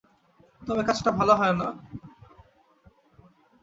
তবে কাজটা ভালো হয় না।